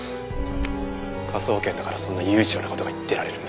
科捜研だからそんな悠長な事が言ってられるんだ。